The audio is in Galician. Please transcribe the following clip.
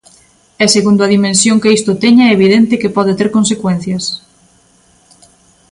E segundo a dimensión que isto teña é evidente que pode ter consecuencias.